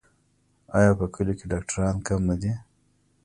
آیا په کلیو کې ډاکټران کم نه دي؟